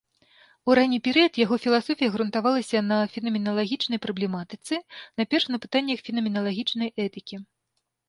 У ранні перыяд яго філасофія грунтавалася на фенаменалагічнай праблематыцы, найперш, на пытаннях фенаменалагічнай этыкі.